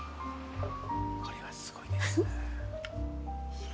これはすごいです。